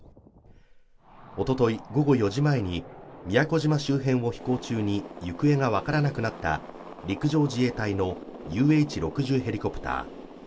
おととい午後４時前に宮古島周辺を飛行中に行方が分からなくなった陸上自衛隊のＵＨ６０ヘリコプター。